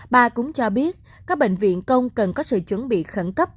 bà cũng cho biết các bệnh viện công cần có sự chuẩn bị khẩn cấp